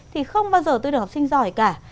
thì không bao giờ tôi được học sinh giỏi cả